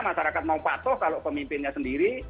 masyarakat mau patuh kalau pemimpinnya sendiri